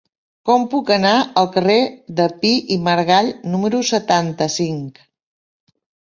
Com puc anar al carrer de Pi i Margall número setanta-cinc?